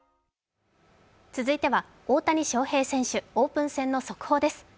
続いては大谷翔平選手、オープン戦の速報です。